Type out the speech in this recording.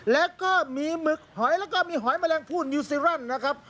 แล้วก็มีหมึกหอยแล้วก็มีหอยแมลงผู้นิวซีรั่นนะครับ